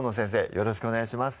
よろしくお願いします